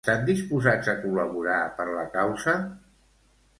Estan disposats a col·laborar per la causa?